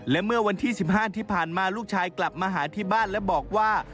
และเมื่อวันที่๑๕ที่ผ่านมาลูกชายกลับมาหาที่บ้านและบอกว่า